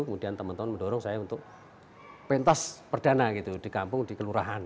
kemudian teman teman mendorong saya untuk pentas perdana gitu di kampung di kelurahan